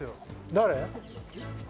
誰？